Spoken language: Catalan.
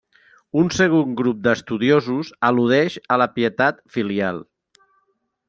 Un segon grup d'estudiosos al·ludeix a la pietat filial.